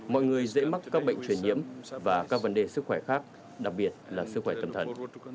mọi người dễ mắc các bệnh truyền nhiễm và các vấn đề sức khỏe khác đặc biệt là sức khỏe tâm thần